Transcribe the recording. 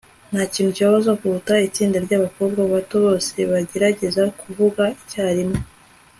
Ntakintu kibabaza kuruta itsinda ryabakobwa bato bose bagerageza kuvuga icyarimwe